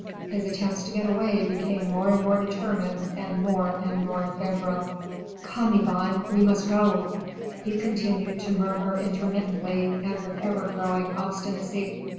His attempts to get away became more and more determined and more and more febrile. "Come, Yvonne! we must go!" he continued to murmur intermittently and with ever growing obstinacy.